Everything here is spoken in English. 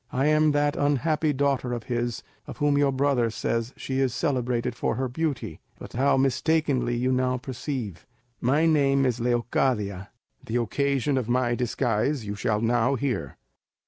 I am that unhappy daughter of his of whom your brother says that she is celebrated for her beauty, but how mistakenly you now perceive. My name is Leocadia; the occasion of my disguise you shall now hear.